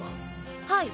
はい。